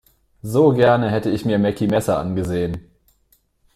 So gerne hätte ich mir Meckie Messer angesehen.